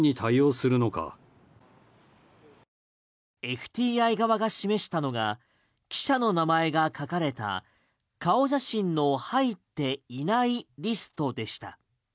ＦＴＩ側が示したのが記者の名前が書かれた顔写真の入っていないリストでした。